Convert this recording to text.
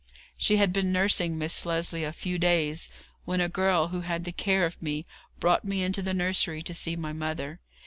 She had been nursing Miss Lesley a few days, when a girl who had the care of me brought me into the nursery to see my mother.